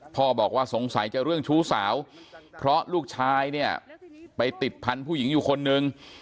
พ่อบอกว่าสงสัยจะเรื่องชู้สาวเพราะลูกชายเนี่ยไปติดพันธุ์ผู้หญิงอยู่คนนึง